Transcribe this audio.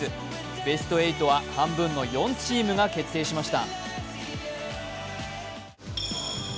ベスト８は半分の４チームが決定しました。